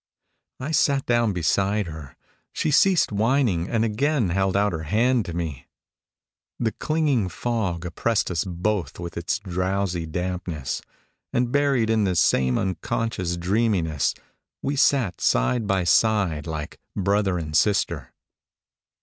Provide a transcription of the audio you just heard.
I sat down beside her ; she ceased whining, and again held out her hand to me. The clinging fog oppressed us both with its drowsy dampness ; and buried in the same un 318 POEMS IN PROSE conscious dreaminess, we sat side by side like brother and sister.